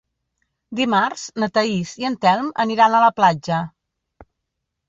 Dimarts na Thaís i en Telm aniran a la platja.